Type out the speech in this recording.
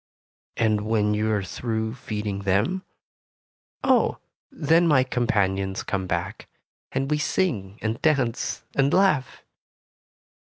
"And when you are through feeding them?" "Oh, then my companions come back, and we sing and dance and laugh."